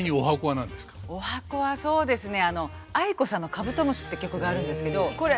十八番はそうですね